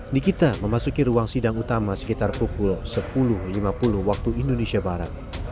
nikita memasuki ruang sidang utama sekitar pukul sepuluh lima puluh waktu indonesia barat